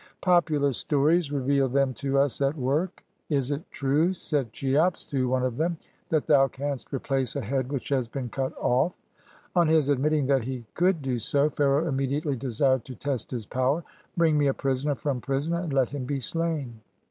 Popular stories reveal them to us at work. "Is it true," said Cheops to one of them, " that thou canst replace a head which has been cut off?" On his admitting that he could do so, Pharaoh immediately desired to test his power. ''Bring me a prisoner from prison and let him be slain."